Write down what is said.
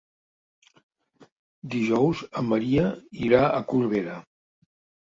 Dijous en Maria irà a Corbera.